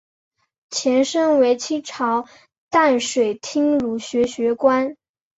前身为清朝淡水厅儒学学宫。